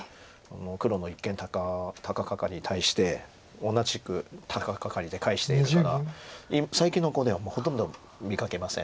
黒の一間高ガカリに対して同じく高ガカリで返しているから最近の碁ではもうほとんど見かけません。